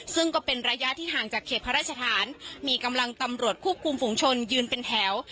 ซึ่งก็เป็นระยะที่ห่างจากเขตพระราชฐานมีกำลังตำรวจควบคุมฝุงชนยืนเป็นแถว